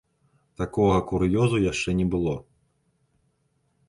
Такога кур'ёзу яшчэ не было.